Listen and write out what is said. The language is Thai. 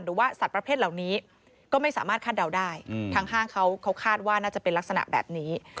หรือว่าสัตว์ประเภทเหล่านี้ก็ไม่สามารถคาดเดาได้ทางห้างเขาคาดว่าน่าจะเป็นลักษณะแบบนี้